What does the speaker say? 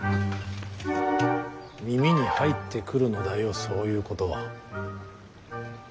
耳に入ってくるのだよそういうことは。